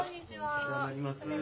お世話になります。